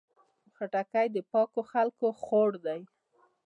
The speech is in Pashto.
خټکی د پاکو خلکو خوړ دی.